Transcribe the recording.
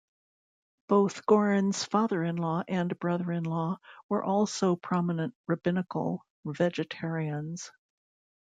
Both Goren's father-in-law and brother-in-law were also prominent rabbinical vegetarians.